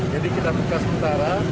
jadi kita buka sementara